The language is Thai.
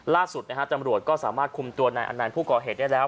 ล่าสุดนะฮะตำรวจก็สามารถคุมตัวนายอนันต์ผู้ก่อเหตุได้แล้ว